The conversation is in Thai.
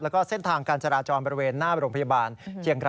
แล้วก็เส้นทางการจราจรบริเวณหน้าโรงพยาบาลเชียงราย